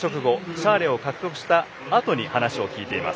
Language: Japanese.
シャーレを獲得したあとに話を聞いています。